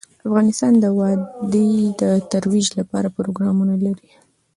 افغانستان د وادي د ترویج لپاره پروګرامونه لري.